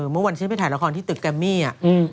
เมื่อวันฉันไปถ่ายละครที่ตึกแกมมี่